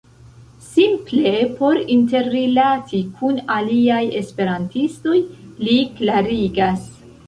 Simple por interrilati kun aliaj esperantistoj, li klarigas.